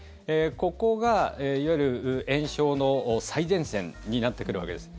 ここがいわゆる炎症の最前線になってくるわけです。